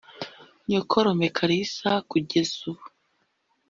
nyokorome kalisa kugezubu